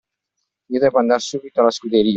Io debbo andar subito alla scuderia.